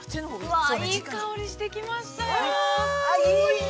◆うわっ、いい香りしてきましたよ。